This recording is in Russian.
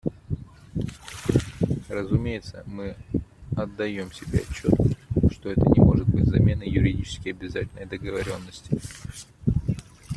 Разумеется, мы отдаем себе отчет, что это не может быть заменой юридически обязательной договоренности.